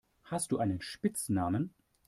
Hast du einen Spitznamen?